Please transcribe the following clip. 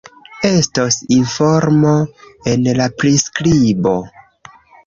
Estos informo en la priskribo